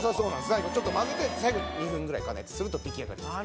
最後ちょっと混ぜて再度２分ぐらい加熱すると出来上がります。